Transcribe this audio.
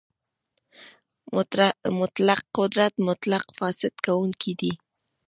مطلق قدرت مطلق فاسد کوونکی دی.